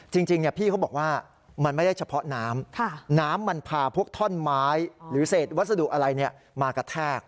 จริงพี่เขาบอกว่ามันไม่ได้เฉพาะน้ำน้ำมันพาพวกท่อนไม้หรือเศษวัสดุอะไรมากระแทก